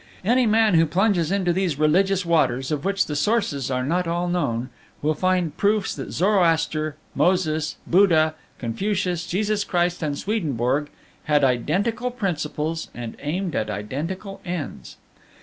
"Any man who plunges into these religious waters, of which the sources are not all known, will find proofs that Zoroaster, Moses, Buddha, Confucius, Jesus Christ, and Swedenborg had identical principles and aimed at identical ends.